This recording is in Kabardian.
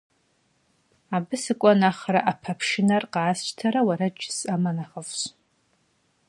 Абы сыкӀуэ нэхърэ, Ӏэпэпшынэр къасщтэрэ уэрэд жысӀэмэ нэхъыфӀщ.